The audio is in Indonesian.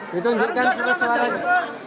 ditunjukkan surat suaranya